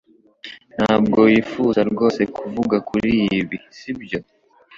Ntabwo wifuza rwose kuvuga kuri ibi sibyo